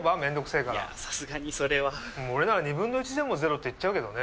いやさすがにそれは俺なら２分の１でもゼロって言っちゃうけどね。